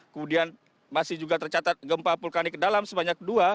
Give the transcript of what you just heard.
kemudian masih juga tercatat gempa vulkanik dalam sebanyak dua